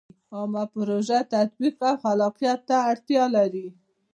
عامه پروژو تطبیق او خلاقیت ته اړ دی.